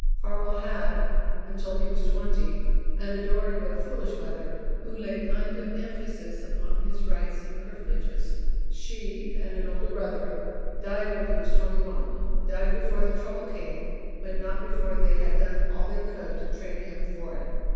Farwell had, until he was twenty, an adoring though foolish mother, who laid undue emphasis upon his rights and privileges. She, and an older brother, died when he was twenty one died before the trouble came, but not before they had done all they could to train him for it.